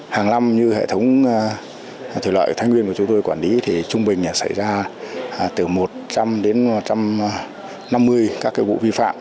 hàng năm như hệ thống thủy lợi thanh nguyên của chúng tôi quản lý thì trung bình xảy ra từ một trăm linh đến một trăm năm mươi các vụ vi phạm